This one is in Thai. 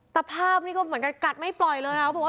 ตะภาพก็เหมือนกันกัดไม่แปลว่า